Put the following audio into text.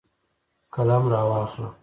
قلم راواخله